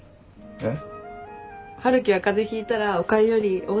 えっ？